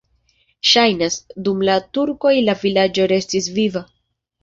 Ŝajnas, dum la turkoj la vilaĝo restis viva.